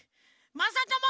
まさとも！